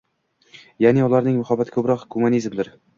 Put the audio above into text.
Yaʼni, ularning muhabbati koʻproq gumanizmdir.